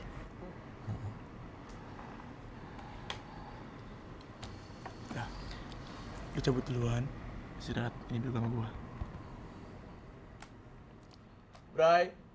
udah gue coba duluan istirahat tidur sama gue